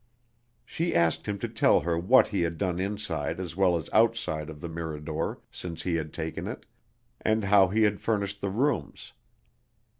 She asked him to tell her what he had done inside as well as outside of the Mirador since he had taken it, and how he had furnished the rooms.